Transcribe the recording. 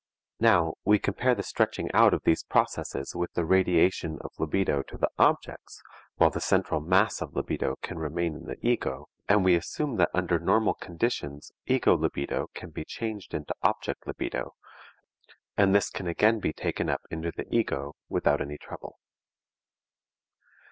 Now we compare the stretching out of these processes with the radiation of libido to the objects, while the central mass of libido can remain in the ego, and we assume that under normal conditions ego libido can be changed into object libido, and this can again be taken up into the ego, without any trouble.